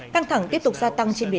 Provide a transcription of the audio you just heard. căng thẳng tiếp tục gia tăng trên biển